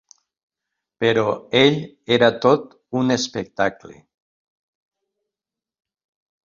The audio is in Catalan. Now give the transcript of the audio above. Però ell era tot un espectacle.